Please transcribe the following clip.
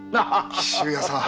紀州屋さん。